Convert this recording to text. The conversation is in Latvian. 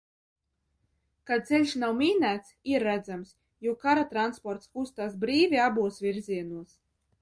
Ka ceļš nav mīnēts, ir redzams, jo kara transports kustās brīvi abos virzienos.